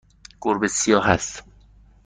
گربه سیاه است.